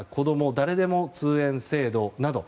誰でも通園制度など